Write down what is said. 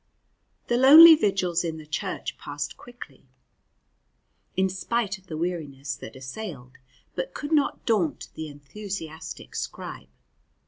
The lonely vigils in the church passed quickly, in spite of the weariness that assailed but could not daunt the enthusiastic scribe.